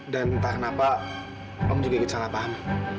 dan entah kenapa om juga juga salah paham